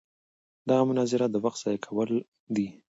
دغه مناظره د وخت ضایع کول دي.